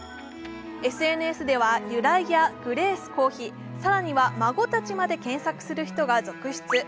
ＳＮＳでは由来やグレース公妃、更には孫たちまで検索する人が続出。